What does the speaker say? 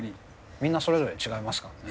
みんなそれぞれ違いますからね。